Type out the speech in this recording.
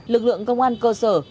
lực lượng công an cơ sở